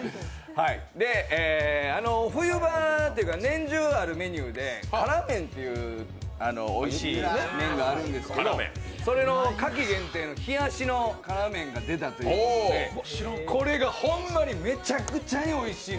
冬場というか、年中あるメニューで辛麺という、おいしい麺があるんですけど、それの夏季限定の冷やしの辛麺が出たということでこれがホンマにめちゃくちゃにおいしい。